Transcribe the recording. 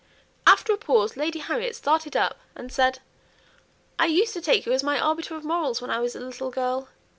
After a pause Lady Harriet started up and said "I used to take you as my arbiter of morals when I was a little girl.